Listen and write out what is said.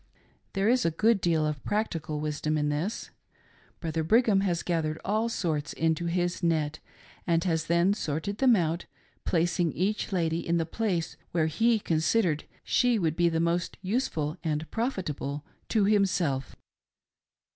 There is a good deal of practical wisdom in this. Brother Brigham has gathered of all sorts into his net, and has then sorted them out, placing each lady in the place where he considered she would be most useful and profitable to himself.